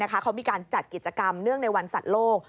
เขามีการจัดกิจกรรมเนื่องในวันสัตว์โลก